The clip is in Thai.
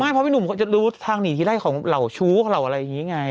เพราะพี่หนุ่มเขาจะรู้ทางหนีทีไล่ของเหล่าชู้เหล่าอะไรอย่างนี้ไง